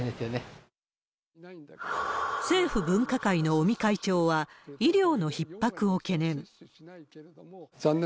政府分科会の尾身会長は、医療のひっ迫を懸念。